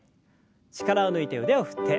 力を抜いて腕を振って。